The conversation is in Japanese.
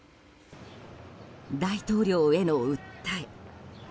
大統領への訴え。